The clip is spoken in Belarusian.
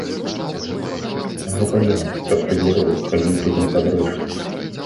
Гэта я, каб ты ведаў, хадзіў туды пад рэчку.